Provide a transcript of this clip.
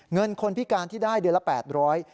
เงินคนพิการที่ได้เดือนละแปดร้อย